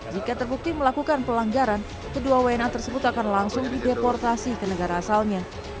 jika terbukti melakukan pelanggaran kedua wna tersebut akan langsung dideportasi ke negara asalnya